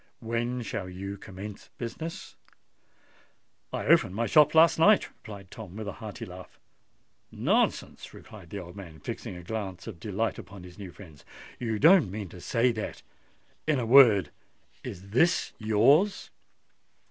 When shall you commence business?" "I opened my shop last night," replied Tom with a hearty laugh. "Nonsense!" cried the old man, fixing a glance of delight upon his new friend. "You don't mean to say that——In a word, is this yours?"